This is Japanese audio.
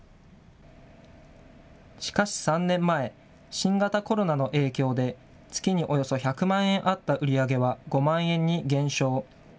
しかし３年前、新型コロナの影響で、月におよそ１００万円あった売り上げは５万円に減少。